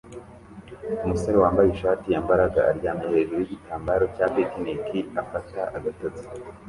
Umusore wambaye ishati yambaraga aryamye hejuru yigitambaro cya picnic afata agatotsi